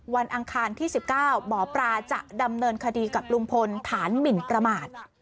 อังคารที่๑๙หมอปลาจะดำเนินคดีกับลุงพลฐานหมินประมาท